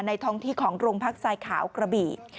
ท้องที่ของโรงพักทรายขาวกระบี่